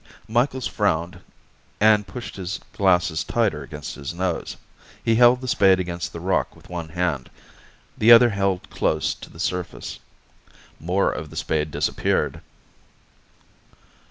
Micheals frowned, and pushed his glasses tighter against his nose. He held the spade against the rock with one hand, the other held close to the surface. More of the spade disappeared.